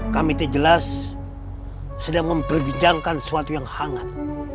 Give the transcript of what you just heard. kami tidak jelas sedang berbincangkan sesuatu yang hangat